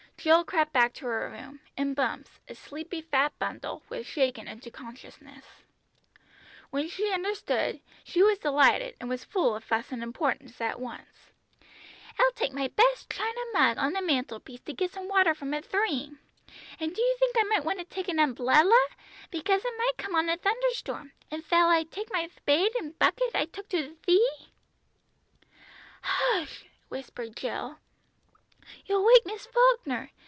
Jill crept back to her room, and Bumps, a sleepy fat bundle, was shaken into consciousness. When she understood she was delighted, and was full of fuss and importance at once. "I'll take my best china mug on the mantelpiece to get some water from a thtream; and do you think I might take a umblella, because it might come on a thunderstorm; and thall I take my thpade and bucket I took to the thea?" "Hush," whispered Jill; "you'll wake Miss Falkner.